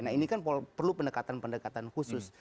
nah ini kan perlu pendekatan pendekatan khusus